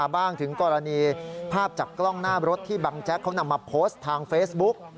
ถึงกรณีภาพจากกล้องหน้ารถที่บังแจ๊กเขานำมาโพสต์ทางเฟซบุ๊ก